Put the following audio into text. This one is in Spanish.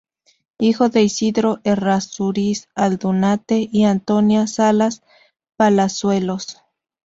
Hijo de Isidoro Errázuriz Aldunate y Antonia Salas Palazuelos.